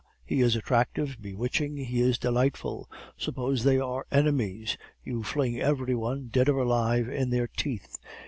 he is attractive, bewitching, he is delightful! Suppose they are enemies, you fling every one, dead or alive, in their teeth.